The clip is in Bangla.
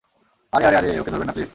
আরে, আরে, আরে, ওকে ধরবেন না, প্লিজ।